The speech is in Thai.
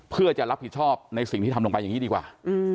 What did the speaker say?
เพื่อจะรับผิดชอบในสิ่งที่ทำลงไปอย่างนี้ดีกว่า